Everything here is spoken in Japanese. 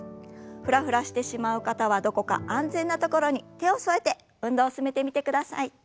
フラフラしてしまう方はどこか安全な所に手を添えて運動を進めてみてください。